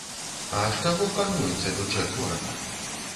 А з чаго фармуецца бюджэт горада?